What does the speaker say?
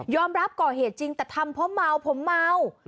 รับก่อเหตุจริงแต่ทำเพราะเมาผมเมา